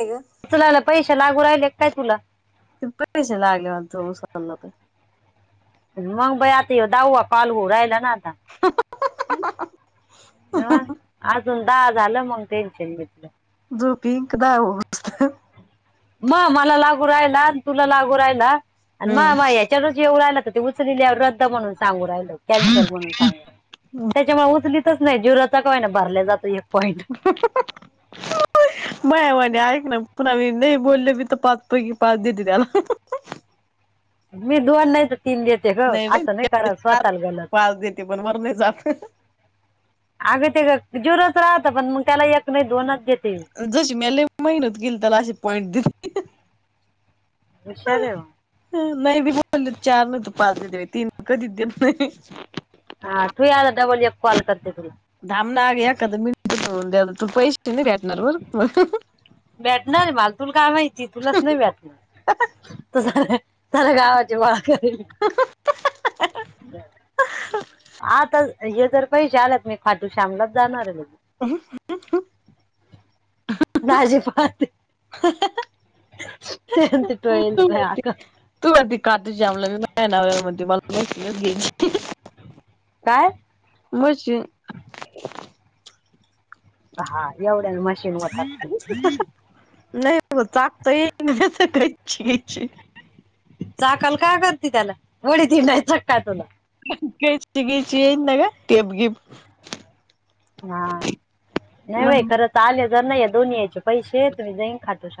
हेय [unintelligible] चूलाला पैसे लागू राहिले काय तुला? पैसे [unintelligible] लागले होते उसला तर मग बाई आता ह्यो दहावा कॉल होऊन राहिला ना आता. हाहा [unintelligible] नव अजून दहा झालं मग टेन्शन मिटलं. झोप येईन का दहा होऊ. म मला लागू राहिला आणि तुला लागू राहिला आणि म म हम्म. या. तेज जेऊ राहिला तर ते उचली आहे रद्द म्हणून सांगू राहील हो कॅन्सल म्हणून सांग त्याच्यामुळे उचलीतच नाही जीवराचा काय ना भरल्या जात एक पॉईंट. अ् [unintelligible] बया म्हणे ऐक ना पुन्हा म् नाही बोलले मी तर पाच पैकी पाच देते त्याला. [inaudible] मी दोन नाही तर तीन देते ग बाई असं नाही करा चार स्वतःला गलत पाच देते पण वर नाही जात अगं ते झेरोच राहत पण मग त्याला एक नाही दोनच देते. जशी म्या लय मेहनत किली तेला अशी पॉईंट दे. हुशार आहे ओ. नाही बी ब बोलले चार नाही तर पाच देते बा तीन कधीेत नाही. हा ठिऊ आता डबल एक कॉल करते तुला. थामना एखादं मिनिटं, पैशेऽ भेटणार माला, तुला काय माहिती, तुलाच नाही भेटणार. त सऱ्या गावाचे बाळ करीले. हहहहहह. आताऽ हे तर पैसेे आलत मी खाटू श्यामलाच जाणार आहे लगे. हहहह. दाजी पाहते [unintelligible] ते तिटोयय तटय याका. तू आ ती खाटुशामला, मी नाण मला घ्यायची. काय? म्हशी. हा, एवढ्यान मशीन होतात की. नाही टाकतो येचचऽ चाकल का करते त्याला, वडी त नाही चका तुला. केची बेची येईल बागा टेप गिप. हा नाही बाई, मग खरतर आले तर नाही दोन्ही यायचे पैसे, तुम्हीन जाईन खातऽ [inaudible]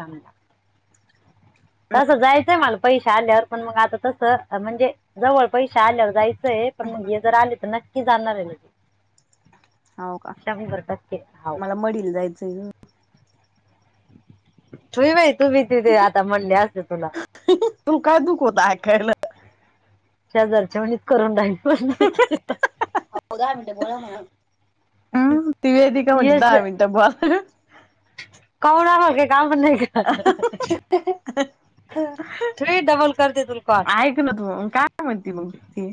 तसं जायचय मला पैसे आल्यावर पण मग आता तसं, म्हणजे जवळ पैसे आल्यावर जायचंय पण मग हे जर आले तर नक्की जाणार आहे म्हंटल शंभर टक्के, हाव. मढीला जायचय ग. ठुई बाई, तुम्ही तिथे आता म्हणले असते तुला तुम काय दुख होत ऐकायला. शेजारच्या म्हणीत करून राहीन, पण नाही. आ ओ दहा मिनट बोला म्हणा, अं ती वेदीका म्हणते यश दहा मिनटं बोला. कोण ना होत गे कामं पण नाही काही. थ्री डबल कर ते तुला कॉल. ऐक ना तू, काय म्हणती मंग ती?